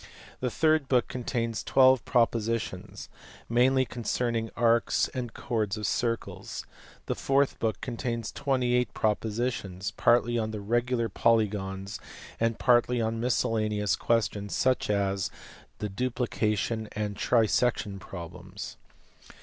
The third book contains 12 propositions, mainly concerning arcs and chords of circles. The fourth book contains 28 propo sitions, partly 011 regular polygons and partly on miscellaneous questions such as the duplication and trisection problems.